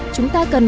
chúng ta cần